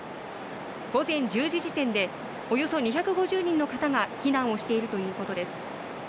午前１０時時点でおよそ２５０人の方が避難をしているということです。